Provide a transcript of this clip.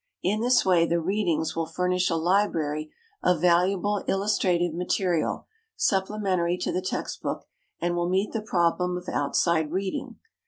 In this way the "Readings" will furnish a library of valuable illustrative material supplementary to the text book and will meet the problem of outside reading.